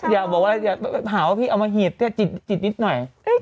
อย่าหาว่าพี่อมหิตจิดนิดหน่อย